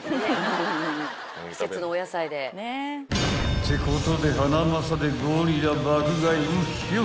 ［ってことでハナマサでゴリラ爆買いうっひょっひょ］